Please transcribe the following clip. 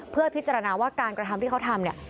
เพื่อพิจารณาว่าการกระทำที่เขาทำเนี่ย